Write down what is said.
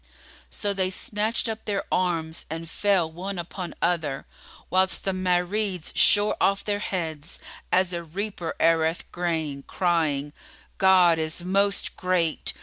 So they snatched up their arms and fell one upon other, whilst the Marids shore off their heads, as a reaper eareth grain, crying, "God is Most Great!